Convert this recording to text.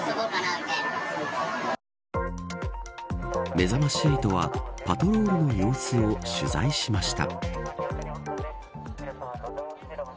めざまし８はパトロールの様子を取材しました。